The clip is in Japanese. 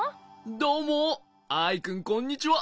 どうもアイくんこんにちは。